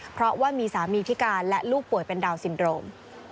เพราะว่ามีสามีพิการและลูกป่วยเป็นดาวนซินโรม